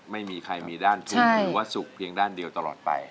ไม่มีใครมีด้านทุกข์หรือว่าสุขเพียงด้านเดียวตลอดไป